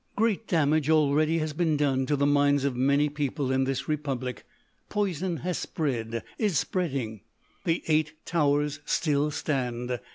"Great damage already has been done to the minds of many people in this Republic; poison has spread; is spreading. The Eight Towers still stand.